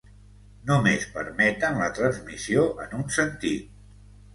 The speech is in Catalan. Només permeten la transmissió en un sentit.